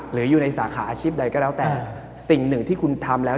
หรืออยู่ในสาขาอาชีพใดก็แล้วแต่สิ่งหนึ่งที่คุณทำแล้ว